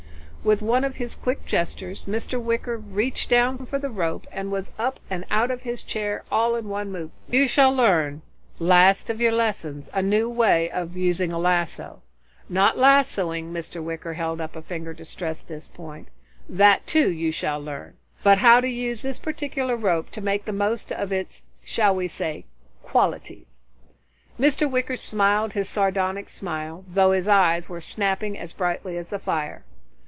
With one of his quick gestures, Mr. Wicker reached down for the rope and was up and out of his chair, all in one movement. "You shall learn, last of your lessons, a new way of using a lasso. Not lassoing " Mr. Wicker held up a finger to stress his point, "that, too, you shall learn, but how to use this particular rope to make the most of its shall we say? qualities." Mr. Wicker smiled his sardonic smile, though his eyes were snapping as brightly as the fire.